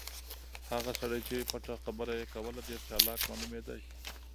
هغه سړی چې پټه خبره یې کوله ډېر چالاک معلومېده.